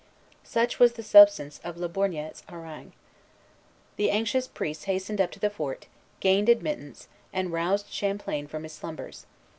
Such was the substance of Le Borgne's harangue. The anxious priests hastened up to the fort, gained admittance, and roused Champlain from his slumbers.